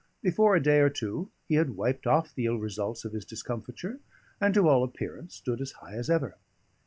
Before a day or two he had wiped off the ill results of his discomfiture, and, to all appearance, stood as high as ever.